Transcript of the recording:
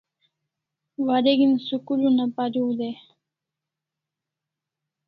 Wareg'in school una pariu dai